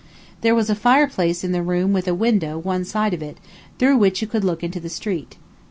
There was a fireplace in the room with a window one side of it, through which you could look into the street.